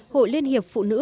hội liên hiệp phụ nữ